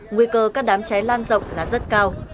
nguy cơ các đám cháy lan rộng là rất cao